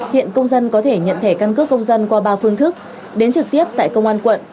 hiện công dân có thể nhận thẻ căn cước công dân qua ba phương thức đến trực tiếp tại công an quận